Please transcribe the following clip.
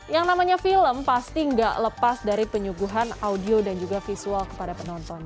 yang namanya film pasti gak lepas dari penyuguhan audio dan juga visual kepada penonton